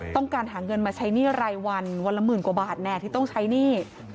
ต้องการหาเงินมาใช้หนี้รายวันวันละหมื่นกว่าบาทแน่ที่ต้องใช้หนี้